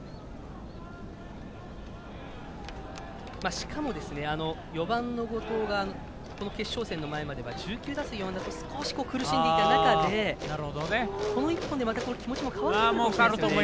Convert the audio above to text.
しかも、４番の後藤がこの決勝戦の前までは１９打数４安打少し苦しんでいた中でこの１本で、また気持ちも変わるでしょうか。